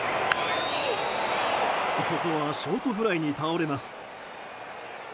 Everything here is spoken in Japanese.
ここはショートフライに倒れます。